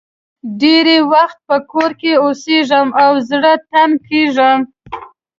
ډېری وخت په کور کې اوسېږم او زړه تنګ کېږم.